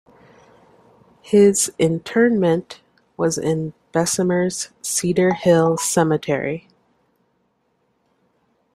His interment was in Bessemer's Cedar Hill Cemetery.